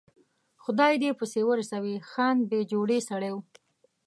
خدای یې دې پسې ورسوي، خان بې جوړې سړی و.